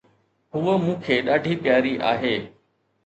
ھوءَ مون کي ڏاڍي پياري آھي.